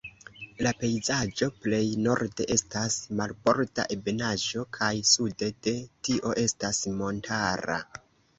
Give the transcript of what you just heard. La pejzaĝo plej norde estas marborda ebenaĵo, kaj sude de tio estas montara.